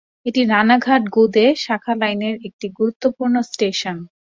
এটি রানাঘাট-গেদে শাখা লাইনের একটি গুরুত্বপূর্ণ স্টেশন।